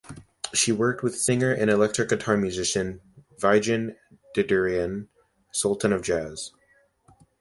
She worked with singer and electric guitar musician Vigen Derderian "Sultan of Jazz".